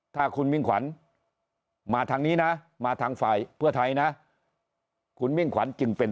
ถ้าคุณมิ่งขวัญมาทางนี้นะมาทางฝ่ายเพื่อไทยนะคุณมิ่งขวัญจึงเป็น